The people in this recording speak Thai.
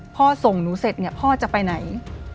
พ่อส่งหนูเสร็จพ่อจะไปไหน